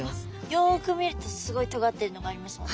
よく見るとすごいとがっているのがありますね。